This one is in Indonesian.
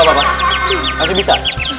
ela masih bisa